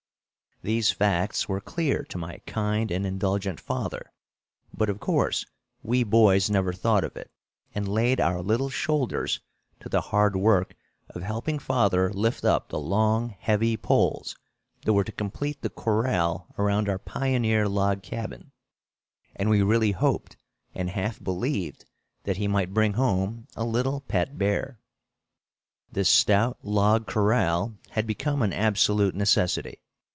These facts were clear to my kind and indulgent father; but of course we boys never thought of it, and laid our little shoulders to the hard work of helping father lift up the long, heavy poles that were to complete the corral around our pioneer log cabin, and we really hoped and half believed that he might bring home a little pet bear. This stout log corral had become an absolute necessity.